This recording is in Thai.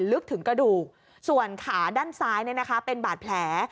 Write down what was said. ลึกถึงกระดูกส่วนขาด้านซ้ายเป็นบาดแผล